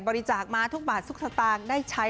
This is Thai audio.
บริจาคมาทุกบาททุกสตางค์ได้ใช้